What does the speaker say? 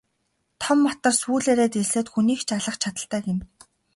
Том матар сүүлээрээ дэлсээд хүнийг ч алах чадалтай гэнэ.